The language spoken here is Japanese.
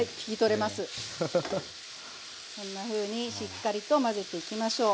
こんなふうにしっかりと混ぜていきましょう。